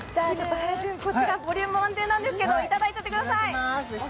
ボリューム満点なんですけどいただいちゃってください。